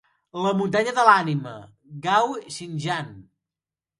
La muntanya de l'ànima, Gao Xingjian.